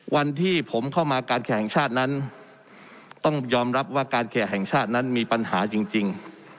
วันที่ผมเข้ามาการแข่งชาตินั้นต้องยอมรับว่าการแขกแห่งชาตินั้นมีปัญหาจริง